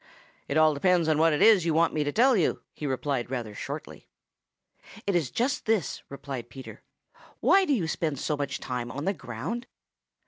"It all depends on what it is you want me to tell you," he replied rather shortly. "It is just this," replied Peter. "Why do you spend so much time on the ground?"